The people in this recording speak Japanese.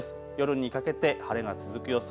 夜にかけて晴れが続く予想。